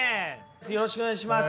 よろしくお願いします。